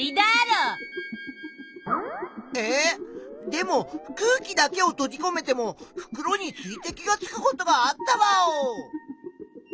でも空気だけをとじこめても袋に水滴がつくことがあったワオ！